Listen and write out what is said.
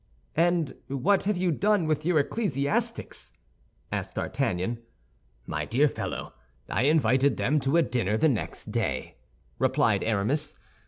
"And what have you done with your ecclesiastics?" asked D'Artagnan. "My dear fellow, I invited them to a dinner the next day," replied Aramis.